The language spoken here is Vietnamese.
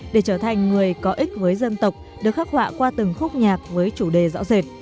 để trở thành người có ích với dân tộc được khắc họa qua từng khúc nhạc với chủ đề rõ rệt